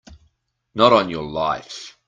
Not on your life!